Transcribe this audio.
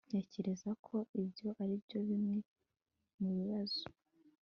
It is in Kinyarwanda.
ntekereza ko ibyo ari bimwe mubibazo